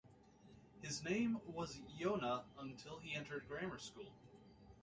His name was "Yonah" until he entered grammar school.